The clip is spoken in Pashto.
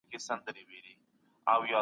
ټولنپوهانو اوږده موده کار کړی دی.